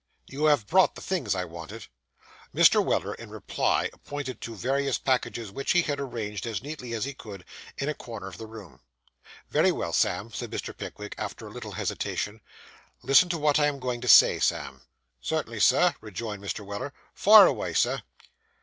'You have brought the things I wanted?' Mr. Weller in reply pointed to various packages which he had arranged, as neatly as he could, in a corner of the room. 'Very well, Sam,' said Mr. Pickwick, after a little hesitation; 'listen to what I am going to say, Sam.' 'Cert'nly, Sir,' rejoined Mr. Weller; 'fire away, Sir.